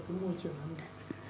cái môi trường hôm nay